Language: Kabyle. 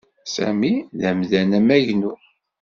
Sami d amdan amagnu.